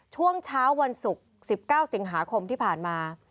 ช่วงเช้าวันศุกร์๑๙สิงหาคมที่ผ่านมา